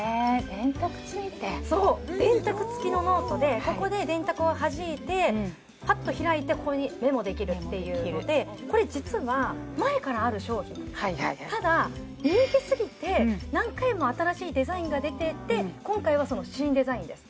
電卓ついてそう電卓つきのノートでここで電卓をはじいてパッと開いてここにメモできるっていうのでこれ実はただ人気すぎて何回も新しいデザインが出てて今回はその新デザインです